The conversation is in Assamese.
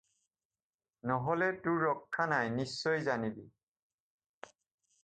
নহ'লে তোৰ ৰক্ষা নাই নিশ্চয় জানিবি।